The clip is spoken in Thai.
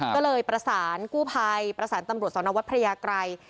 ก็เลยประสานกู้ภัยประสานตำรวจสนวัดพระยากรัย